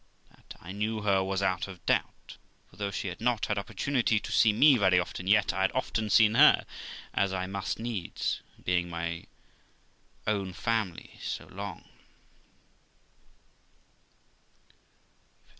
That I knew her was out of doubt ; for though she had not had opportunity to see me very often, yet I had often seen her, as I must needs, being in my own family so long.